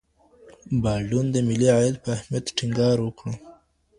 بالډون د ملي عاید په اهمیت ټینګار وکړ.